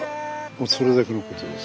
それだけのことです。